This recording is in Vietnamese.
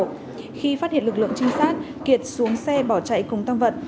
khi phát hiện lực lượng trinh sát kiệt xuống xe bỏ chạy cùng tăng vật